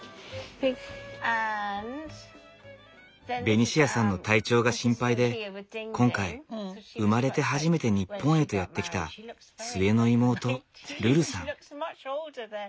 ベニシアさんの体調が心配で今回生まれて初めて日本へとやって来た末の妹ルルさん。